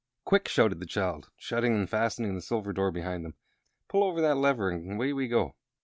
"Quick!" shouted the child, shutting and fastening the silver door behind them. "Pull over that lever, and away we go!"